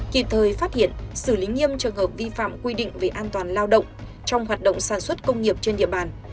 kịp thời phát hiện xử lý nghiêm trường hợp vi phạm quy định về an toàn lao động trong hoạt động sản xuất công nghiệp trên địa bàn